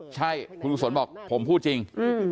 ใช่คุณลูกศวรรษบอกผมพูดจริง